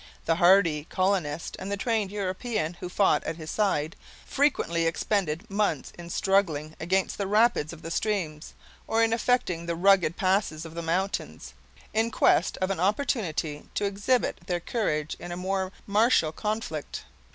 The hardy colonist, and the trained European who fought at his side, frequently expended months in struggling against the rapids of the streams, or in effecting the rugged passes of the mountains, in quest of an opportunity to exhibit their courage in a more martial conflict.